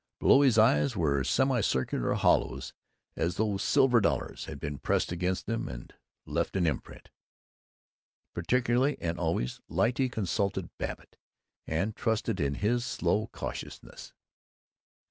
Below his eyes were semicircular hollows, as though silver dollars had been pressed against them and had left an imprint. Particularly and always Lyte consulted Babbitt, and trusted in his slow cautiousness.